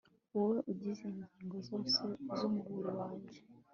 wowe ugize ingingo zose z'umubiri wanjye